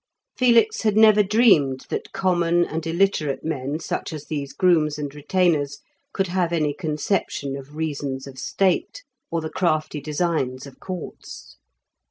Felix had never dreamed that common and illiterate men, such as these grooms and retainers, could have any conception of reasons of State, or the crafty designs of courts.